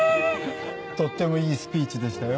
とってもいいスピーチでしたよ。